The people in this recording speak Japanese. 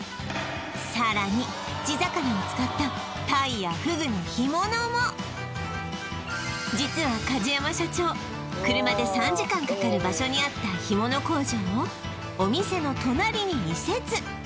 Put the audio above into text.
さらに地魚を使った鯛やフグの干物も実は梶山社長車で３時間かかる場所にあった干物工場をお店の隣に移設